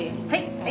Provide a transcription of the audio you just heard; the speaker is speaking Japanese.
はい。